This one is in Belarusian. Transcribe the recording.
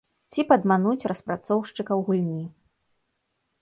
Ці падмануць распрацоўшчыкаў гульні.